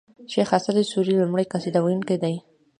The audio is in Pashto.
شېخ اسعد سوري لومړی قصيده و يونکی دﺉ.